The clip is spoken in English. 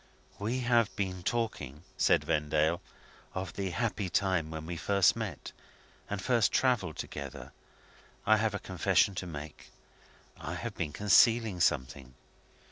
"We have been talking," said Vendale, "of the happy time when we first met, and first travelled together. I have a confession to make. I have been concealing something.